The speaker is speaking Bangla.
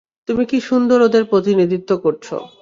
তুমি কী সুন্দর ওদের প্রতিনিধিত্ব করছ।